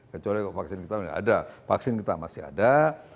kecuali vaksin kita masih ada